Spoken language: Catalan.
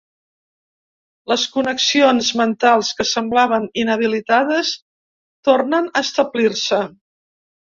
Les connexions mentals que semblaven inhabilitades tornen a establir-se.